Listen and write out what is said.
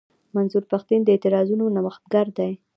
منظور پښتين د اعتراضونو نوښتګر دی.